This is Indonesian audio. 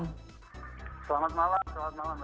selamat malam selamat malam